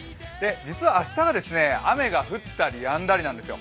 実は明日は雨が降ったりやんだりなんですよ。